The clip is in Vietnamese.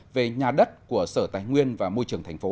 về nhà đất của sở tài nguyên và môi trường tp hcm